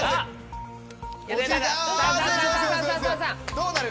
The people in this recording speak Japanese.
どうなる？